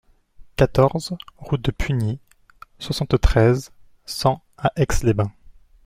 quatorze route de Pugny, soixante-treize, cent à Aix-les-Bains